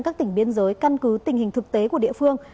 các tỉnh biên giới căn cứ tình hình thực tế của địa phương